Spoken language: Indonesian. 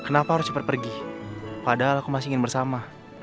kenapa harus cepat pergi padahal aku masih ingin bersama